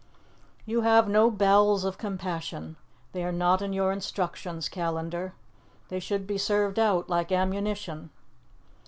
"You have no bowels of compassion. They are not in your instructions, Callandar. They should be served out, like ammunition."